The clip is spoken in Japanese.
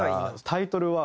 タイトルは。